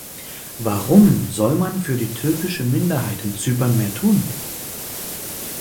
Warum soll man für die türkische Minderheit in Zypern mehr tun?